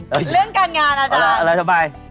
เรื่องการงานอาจารย์อะไรทำไม